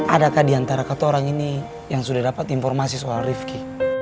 adakah di antara kata orang ini yang sudah dapat informasi soal rifqi